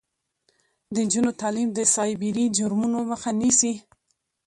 د نجونو تعلیم د سایبري جرمونو مخه نیسي.